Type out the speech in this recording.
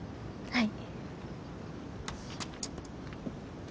はい！